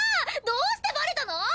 どうしてバレたの！？